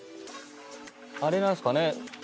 あれなんですかね。